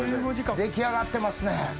出来上がってますね。